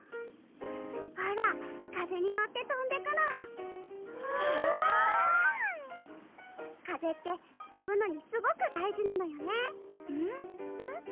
ほら風に乗ってとんでくのわぁ風ってとぶのにすごく大事なのよねうん？えっ？